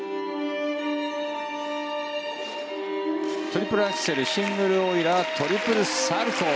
トリプルアクセルシングルオイラートリプルサルコウ。